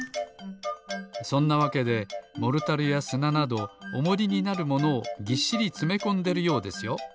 そんなわけでモルタルやすななどおもりになるものをぎっしりつめこんでるようですよ。